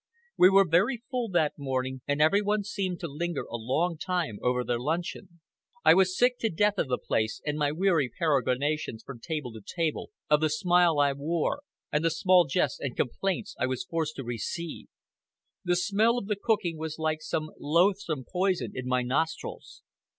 We were very full that morning, and every one seemed to linger a long time over their luncheon. I was sick to death of the place, and my weary peregrinations from table to table, of the smile I wore, and the small jests and complaints I was forced to receive. The smell of the cooking was like some loathsome poison in my nostrils.